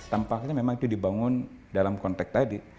tampaknya memang itu dibangun dalam konteks tadi